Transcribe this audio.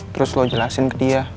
terus lo jelasin ke dia